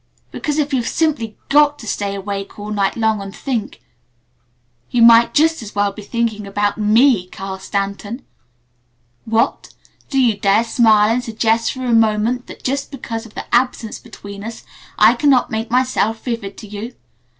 Because if you've simply got to stay awake all night long and think you might just as well be thinking about ME, Carl Stanton. What? Do you dare smile and suggest for a moment that just because of the Absence between us I cannot make myself vivid to you?